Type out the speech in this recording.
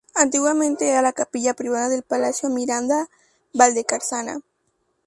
Antiguamente era la capilla privada del palacio de Miranda-Valdecarzana.